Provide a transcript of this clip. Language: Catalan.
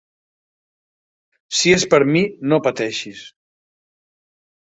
Si és per mi, no pateixis.